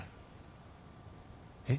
えっ？